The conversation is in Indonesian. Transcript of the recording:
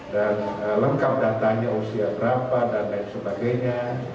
lengkap datanya usia berapa dan lain sebagainya